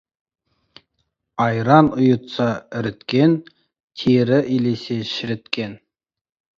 Айран ұйытса, іріткен, тері илесе, шіріткен.